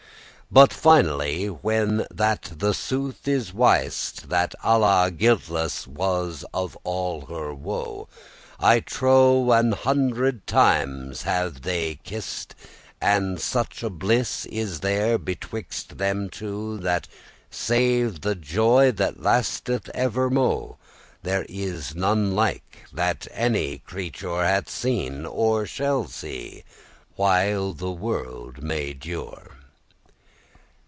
But finally, when that the *sooth is wist,* *truth is known* That Alla guiltless was of all her woe, I trow an hundred times have they kiss'd, And such a bliss is there betwixt them two, That, save the joy that lasteth evermo', There is none like, that any creature Hath seen, or shall see, while the world may dure.